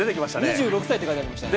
２６歳って書いてありましたね。